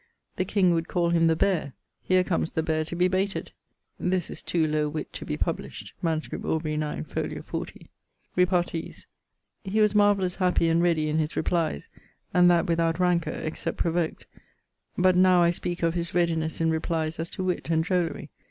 The king would call him _the beare_[CXIV.]: 'Here comes the beare to be bayted!' [CXIV.] This is too low witt to be published. MS. Aubr. 9, fol. 40ᵛ. Repartees. He was marvellous happy and ready in his replies, and that without rancor (except provoked) but now I speake of his readinesse in replies as to witt and drollery.